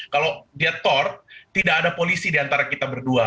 kalau dia tort tidak ada polisi di antara kita berdua